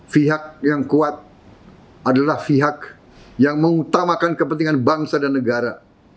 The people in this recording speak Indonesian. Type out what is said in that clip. pihak yang kuat adalah pihak yang mengutamakan kepentingan bangsa dan negara